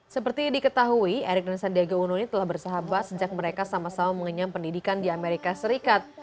seperti diketahui erik dan sandiaga uno ini telah bersahabat sejak mereka sama sama mengenyam pendidikan di amerika serikat